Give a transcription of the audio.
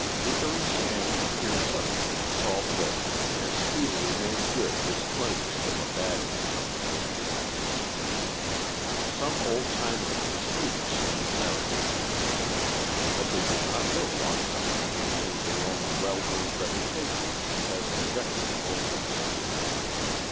Hickory Sam appeared suddenly in Salt Lick, and speedily made good his claim to be the bad man of the district. Some old timers disputed Sam's arrogant contention, but they did not live long enough to maintain their own well earned reputations as objectionable citizens.